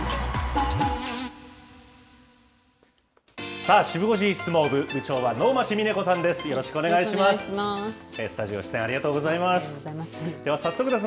さあ、シブ５時相撲部、部長は能町みね子さんです。